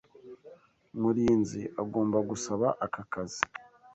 Murinzi agomba gusaba aka kazi.